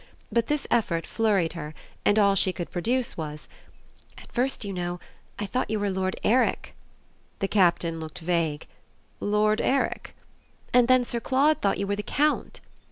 But this effort flurried her, and all she could produce was: "At first, you know, I thought you were Lord Eric." The Captain looked vague. "Lord Eric?" "And then Sir Claude thought you were the Count."